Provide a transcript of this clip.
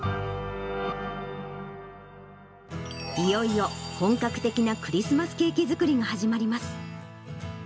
いよいよ、本格的なクリスマスケーキ作りが始まります。